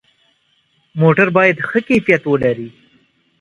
موټر باید ښه کیفیت ولري.